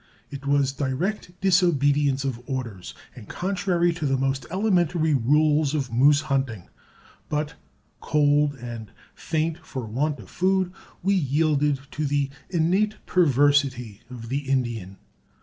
It was direct disobedience of orders, and contrary to the most elementary rules of moose hunting; but, cold and faint for want of food, we yielded to the innate perversity of the Indian.